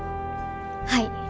はい。